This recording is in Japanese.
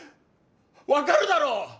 分かるだろう！？